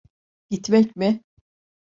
Gitmek mi?